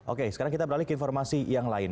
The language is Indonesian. oke sekarang kita beralih ke informasi yang lain